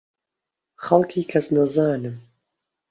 خەڵکی کەسنەزانم.